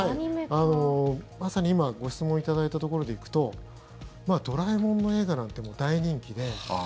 まさに今ご質問いただいたところでいくと「ドラえもん」の映画なんて大人気で。